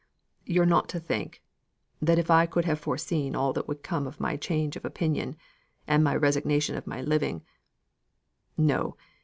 you're not to think, that if I could have foreseen all that would come of my change of opinion, and my resignation of my living no!